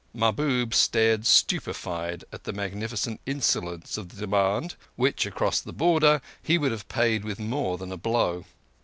Mahbub stared stupefied at the magnificent insolence of the demand, which across the Border he would have paid with more than a blow.